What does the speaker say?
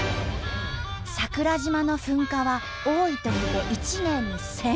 桜島の噴火は多いときで１年に１，０００回。